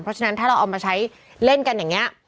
เพราะฉะนั้นถ้าเราเอามาใช้เล่นกันอย่างนี้